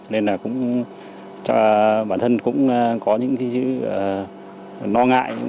nên là cũng cho bản thân cũng có những cái lo ngại